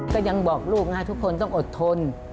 ก็ยังบอกลูกนะทุกคนต้องอดทน